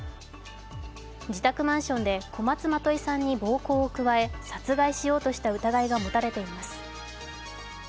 自宅マンションで小松まといさんに暴行を加え殺害しようとした疑いが持たれています。